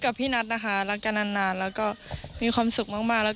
ครับ